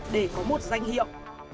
để có một danh hiệu